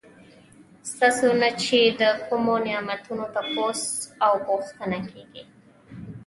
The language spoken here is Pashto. ستاسو نه چې د کومو نعمتونو تپوس او پوښتنه کيږي